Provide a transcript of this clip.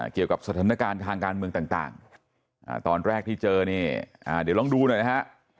เกี่ยวกับสถานการณ์ทางการเมืองต่างตอนแรกที่เจอเนี่ยเดี๋ยวลองดูหน่อยนะฮะ